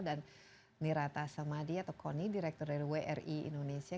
dan nirata samadi atau koni direktur dari wri indonesia